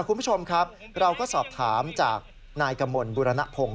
คุณผู้ชมครับเราก็สอบถามจากนายกมลบุรณพงศ์